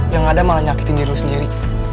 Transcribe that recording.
yang ada malah nyakitin diri sendiri